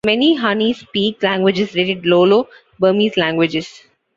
Many Hani speak languages related Lolo-Burmese languages.